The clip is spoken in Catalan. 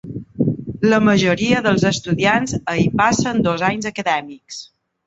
La majoria dels estudiants hi passen dos anys acadèmics.